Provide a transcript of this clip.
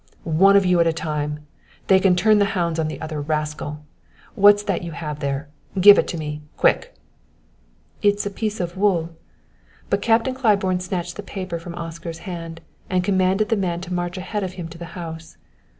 "One of you at a time! They can turn the hounds on the other rascal. What's that you have there? Give it to me quick!" "It's a piece of wool " But Claiborne snatched the paper from Oscar's hand, and commanded the man to march ahead of him to the house.